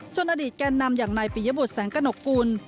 จนอดีตแก่นนำอย่างในปียบุษแสงกระหนกกุล